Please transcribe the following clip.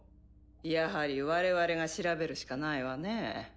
やはり我々が調べるしかないわねぇ。